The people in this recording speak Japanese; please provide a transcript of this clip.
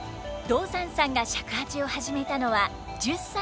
道山さんが尺八を始めたのは１０歳の頃。